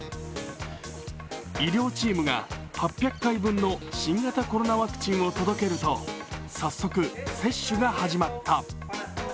医療チームが８００回分の新型コロナワクチンを届けると、早速、接種が始まった。